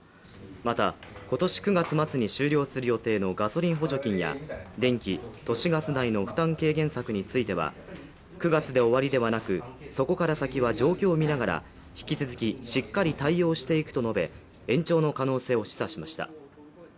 また今年９月末に終了する予定のガソリン補助金や、電気・都市ガス代の負担軽減策については９月で終わりではなくそこから先は状況を見ながら引き続きしっかり対応していくと述べ延長の可能性を示唆しました。